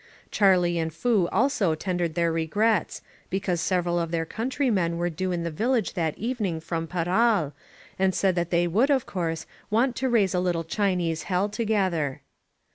Charlie and Foo also tendered their regrets, because several of their countrymen were due in the village that evening from Parral, and said that they would, of course, want to raise a little Chinese hell together.